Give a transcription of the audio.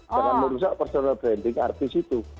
jangan merusak personal branding artis itu